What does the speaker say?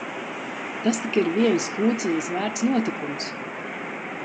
Tas tak ir vienas kūciņas vērts notikums!